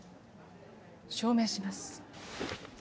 証明します。